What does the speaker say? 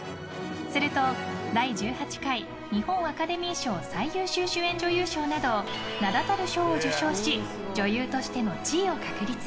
すると第１８回日本アカデミー賞最優秀主演女優賞など名だたる賞を受賞し女優としての地位を確立。